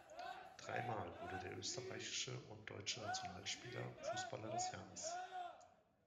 Dreimal wurde der österreichische und deutsche Nationalspieler Fußballer des Jahres.